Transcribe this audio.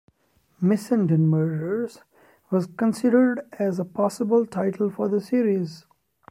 "Missenden Murders" was considered as a possible title for the series.